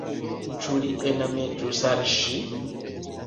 Ĉu li enamiĝus al ŝi?